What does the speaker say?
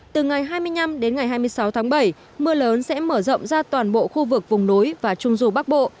từ ngày hai mươi năm đến ngày hai mươi sáu tháng bảy mưa lớn sẽ mở rộng ra toàn bộ khu vực vùng núi và trung dù bắc bộ